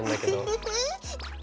ウフフフ。